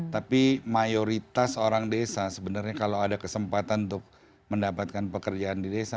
tapi mayoritas orang desa sebenarnya kalau ada kesempatan untuk mendapatkan pekerjaan di desa